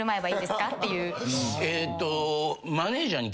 えっと。